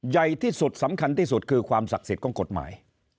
ใหญ่ที่สุดสำคัญที่สุดคือความศักดิ์สิทธิ์ของกฎหมาย